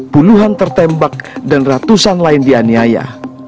puluhan tertembak dan ratusan lain dianiaya